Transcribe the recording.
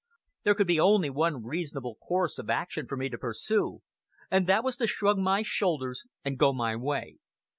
There could be only one reasonable course of action for me to pursue, and that was to shrug my shoulders and go my way.